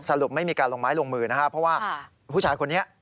ไม่มีการลงไม้ลงมือนะครับเพราะว่าผู้ชายคนนี้